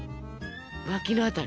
脇の辺り？